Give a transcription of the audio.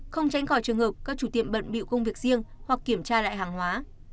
không tránh khỏi trường hợp các chủ tiệm bận bị công việc riêng hoặc kiểm tra lại hàng hóa